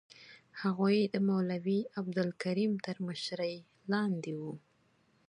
هغوی د مولوي عبدالکریم تر مشرۍ لاندې وو.